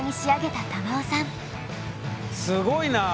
すごいな！